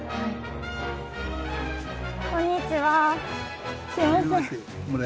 こんにちは。